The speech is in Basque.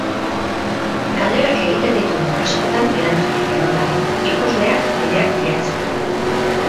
Galderak egiten ditu, askotan erantzunik eman gabe, ikusleak bereak bilatzeko.